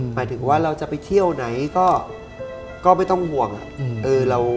หมายถึงว่าเราจะไปเที่ยวไหนก็ไม่ต้องห่วง